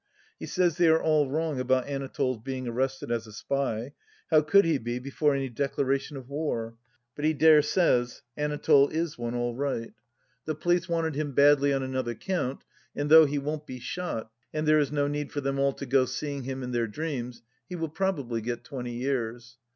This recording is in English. He says they are all wrong about Anatole's being arrested as a spy — how could he be, before any Declaration of War ?— ^but he dare says Anatole is one all right. The 111 112 THE LAST DITCH police wanted him badly on another count ; and though he won't be shot, and there is no need for them all to go seeing him in their dreams, he will probably get twenty years.